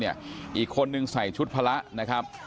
อีกคนนึงใส่ชุดพระนะครับ